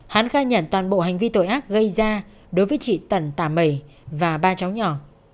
hắn khai nhận toàn bộ hành vi tội ác gây ra đối với chị tần tà mẩy và ba cháu nhỏ